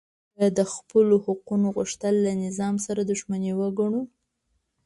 که د خپلو حقونو غوښتل له نظام سره دښمني وګڼو